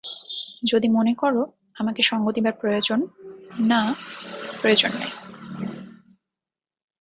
যদি মনে কর আমাকে সঙ্গ দিবার প্রয়োজন–না, প্রয়োজন নাই।